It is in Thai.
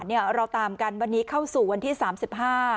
เราตามกันวันนี้เข้าสู่วันที่สามสิบห้า